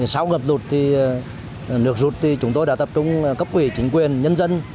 sau gặp lụt lượt rụt thì chúng tôi đã tập trung cấp quỷ chính quyền nhân dân